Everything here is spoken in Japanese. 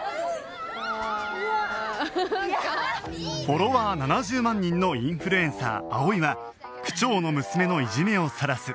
フォロワー７０万人のインフルエンサー葵は区長の娘のいじめをさらす